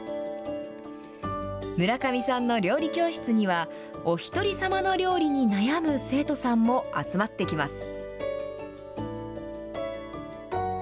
村上さんの料理教室には、おひとりさまの料理に悩む生徒さんも集まってきます。